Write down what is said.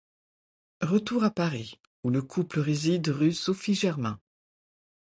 Retour à Paris où le couple réside rue Sophie-Germain.